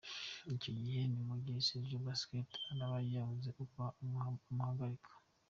Icyo gihe ni mu gihe Sergio Busquet araba yabuze uko amuhagarika.